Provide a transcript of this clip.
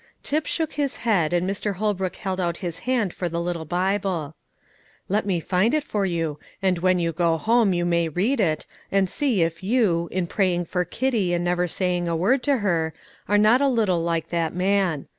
Tip shook his head, and Mr. Holbrook held out his hand for the little Bible. "Let me find it for you, and when you go home you may read it, and see if you, in praying for Kitty and never saying a word to her, are not a little like that man.